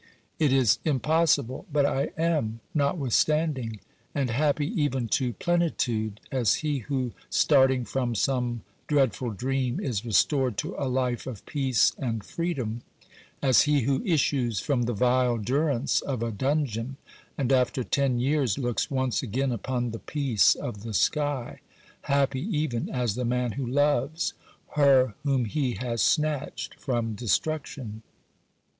It is impossible, but I am, notwithstand ing, and happy even to plenitude ; as he who, starting from some dreadful dream, is restored to a life of peace and freedom ; as he who issues from the vile durance of a dungeon, and after ten years looks once again upon the peace of the sky ; happy even as the man who loves — her whom he has snatched from destruction.